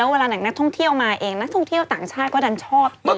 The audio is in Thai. วันนั้นฉงเที่ยวต่างชาติก็ชอบ